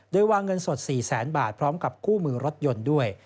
โดยวางเงินสด๔แสนบาทพร้อมกับคู่มือรถยนต์ด้วย